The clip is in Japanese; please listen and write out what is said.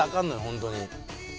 ホントに。